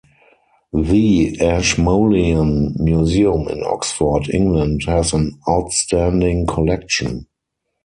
The Ashmolean Museum in Oxford, England, has an outstanding collection.